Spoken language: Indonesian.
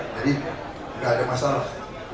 jadi tidak ada masalah